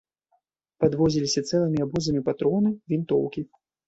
Падвозіліся цэлымі абозамі патроны, вінтоўкі.